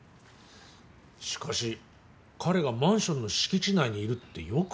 しかし彼がマンションの敷地内にいるってよく分かったね。